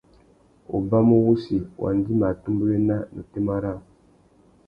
Ubamú wussi, wanda i mà atumbéwena na otémá râā.